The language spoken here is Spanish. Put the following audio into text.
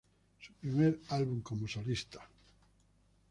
Su primer álbum como solista "Mr.